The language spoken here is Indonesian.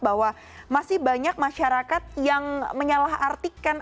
bahwa masih banyak masyarakat yang menyalah artikan